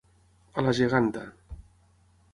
A la geganta.